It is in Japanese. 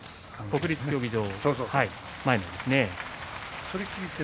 国立競技場。